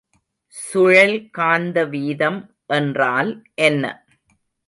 சுழல் காந்த வீதம் என்றால் என்ன?